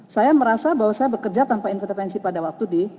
saya merasa bahwa saya bekerja tanpa intervensi pada waktu di